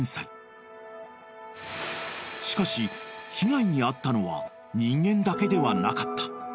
［しかし被害に遭ったのは人間だけではなかった］